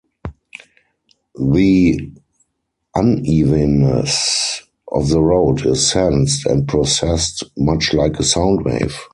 The unevenness of the road is sensed, and processed much like a sound wave.